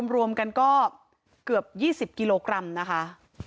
รวมกันก็เกือบ๒๐กิโลกรัมนะคะ